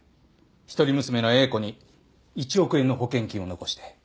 一人娘の英子に１億円の保険金を残して。